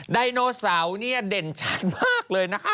ไดโนเสาร์เนี่ยเด่นชัดมากเลยนะคะ